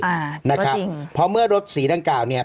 อ่านะครับเพราะเมื่อรถสีดังกล่าวเนี่ย